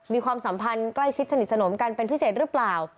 ความสัมพันธ์ใกล้ชิดสนิทสนมกันเป็นพิเศษหรือเปล่า